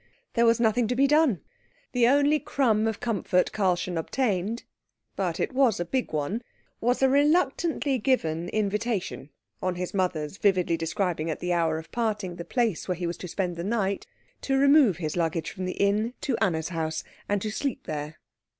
There was nothing to be done. The only crumb of comfort Karlchen obtained but it was a big one was a reluctantly given invitation, on his mother's vividly describing at the hour of parting the place where he was to spend the night, to remove his luggage from the inn to Anna's house, and to sleep there.